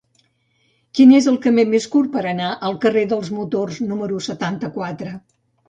Quin és el camí més curt per anar al carrer dels Motors número setanta-quatre?